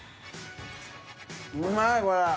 うまいこれ。